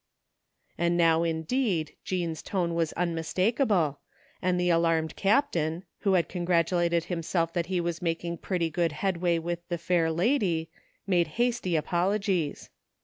And now indeed Jean's tone was unmistakable, and the alarmed Captain, who had congratulated him self that he was making pretty good headway with the fair huly, made hasty apologies.